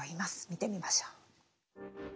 見てみましょう。